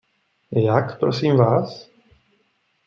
Jak, prosím vás?